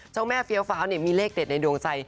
เจ้าแม่เฟี้ยวฟ้าวมีเลขเด็ดในดวงใจ